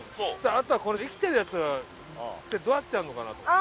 あとはこれ生きてるやつってどうやってやんのかなと思って。